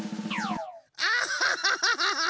アッハハハハ！